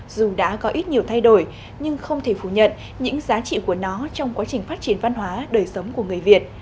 dù đã có ít nhiều thay đổi nhưng không thể phủ nhận những giá trị của nó trong quá trình phát triển văn hóa đời sống của người việt